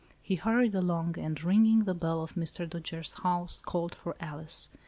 He hurried along, and, ringing the bell of Mr. Dojere's house, called for Alice.